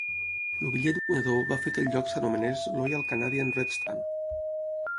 El bitllet guanyador va fer que el lloc s'anomenés "Loyal Canadian Red Stand".